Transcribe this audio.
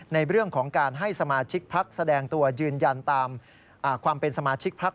ในเรื่องของการให้สมาชิกพักแสดงตัวยืนยันตามความเป็นสมาชิกพัก